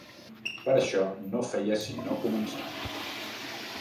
Però això no feia sinó començar.